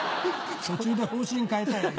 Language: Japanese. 途中で方針変えたよ